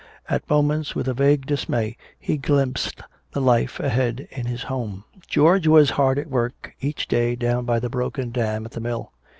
At moments with a vague dismay he glimpsed the life ahead in his home. George was hard at work each day down by the broken dam at the mill.